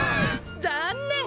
ざんねん！